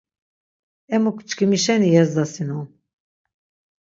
Emuk çkimi şeni yezdasinon.